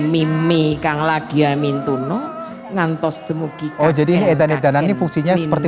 mimi kang lagia mintuno ngantos demukika oh jadi edan edanan ini fungsinya seperti